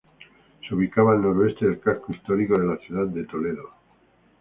Se ubicaba al noreste del casco histórico de la ciudad de Toledo.